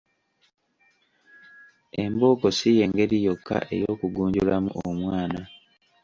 Embooko si y’engeri yokka ey’okugunjulamu omwana.